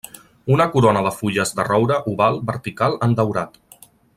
Una corona de fulles de roure oval vertical en daurat.